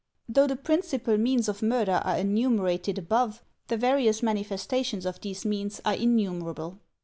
Though the principal means of murder are enumerated above, the various manifestations of these means are in numerable.